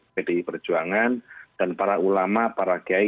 pdi perjuangan dan para ulama para kiai